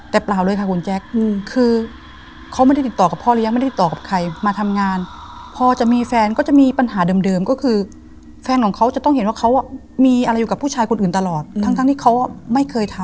แต่เปล่าเลยค่ะคุณแจ๊คคือเขาไม่ได้ติดต่อกับพ่อเลี้ยงไม่ได้ติดต่อกับใครมาทำงานพอจะมีแฟนก็จะมีปัญหาเดิมก็คือแฟนของเขาจะต้องเห็นว่าเขามีอะไรอยู่กับผู้ชายคนอื่นตลอดทั้งที่เขาไม่เคยทำ